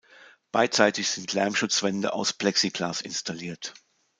Beidseitig sind Lärmschutzwände aus Plexiglas installiert.